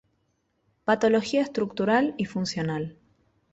Patología estructural y funcional.